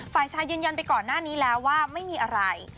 ฝ่ายชายยืนยันไปก่อนหน้านี้แล้วว่าไม่มีอะไร